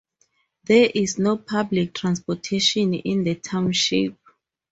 There is no public transportation in the township.